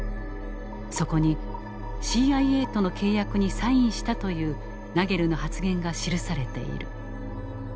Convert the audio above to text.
そこに「ＣＩＡとの契約にサインした」というナゲルの発言が記されている。